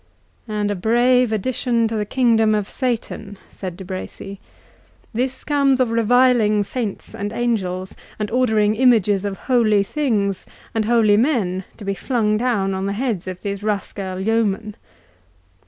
"And a brave addition to the kingdom of Satan," said De Bracy; "this comes of reviling saints and angels, and ordering images of holy things and holy men to be flung down on the heads of these rascaille yeomen."